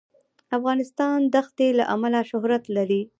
افغانستان د ښتې له امله شهرت لري.